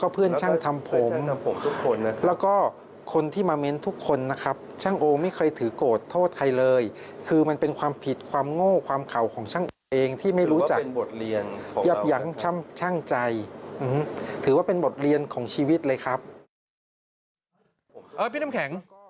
พี่น้ำแข็งช่างโอเขา